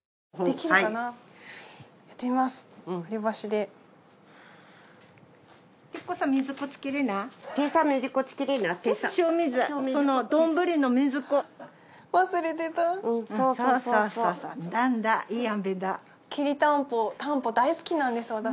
きりたんぽたんぽ大好きなんです私。